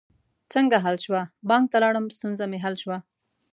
څنګه حل شوه؟ بانک ته لاړم، ستونزه می حل شوه